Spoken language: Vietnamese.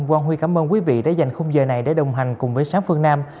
quang huy cảm ơn quý vị đã dành khung giờ này để đồng hành cùng với sám phương nam